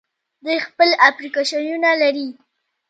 دوی خپل اپلیکیشنونه لري.